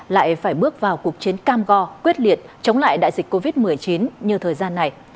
lại phải bước vào cuộc chiến cam go quyết liệt chống lại đại dịch covid một mươi chín như thời gian này